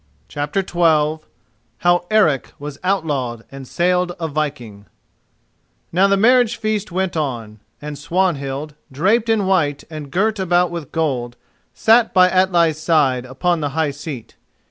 CHAPTER XII HOW ERIC WAS OUTLAWED AND SAILED A VIKING Now the marriage feast went on, and Swanhild, draped in white and girt about with gold, sat by Atli's side upon the high seat.